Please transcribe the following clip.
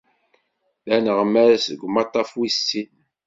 D aneɣmas deg umaṭṭaf wis sin.